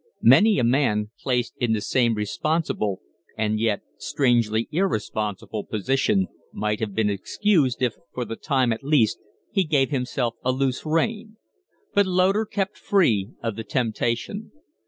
Many a man placed in the same responsible, and yet strangely irresponsible, position might have been excused if, for the time at least, he gave himself a loose rein. But Loder kept free of the temptation.